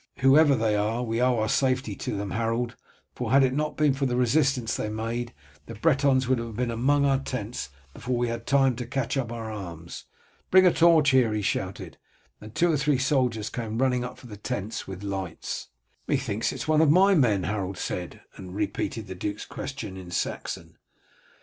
"Whoever they are we owe our safety to them, Harold, for had it not been for the resistance they made, the Bretons would have been among our tents before we had time to catch up our arms. Bring a torch here!" he shouted; and two or three soldiers came running up from the tents with lights. "Methinks it is one of my men," Harold said, and repeated the duke's question in Saxon.